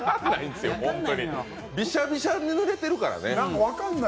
びしゃびしゃにぬれてるからね。